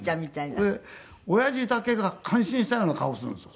で親父だけが感心したような顔をするんですよ。